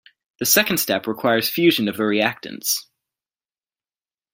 The second step requires fusion of the reactants.